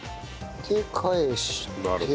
で返して。